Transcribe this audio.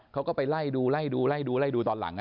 เขาก็ไปไร่ดูตอนหลัง